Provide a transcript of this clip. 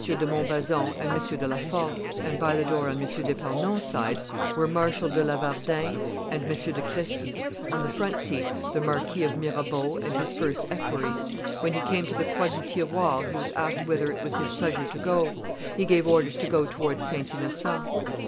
de Montbazon and M. de la Force; and by the door on M. d'Epernon's side were Marshal de Lavardin and M. de Crsqui; on the front seat the Marquis of Mirabeau and the first equerry. When he came to the Croix du Tiroir he was asked whither it was his pleasure to go; he gave orders to go towards St. Innocent.